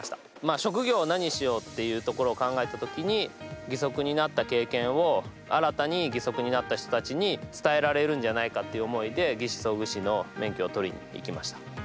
職業、何にしようってところ考えたときに義足になった経験を新たに義足になった人たちに伝えられるんじゃないかっていう思いで義肢装具士の免許を取りにいきました。